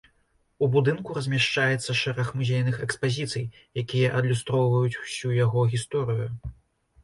У будынку размяшчаецца шэраг музейных экспазіцый, якія адлюстроўваюць ўсю яго гісторыю.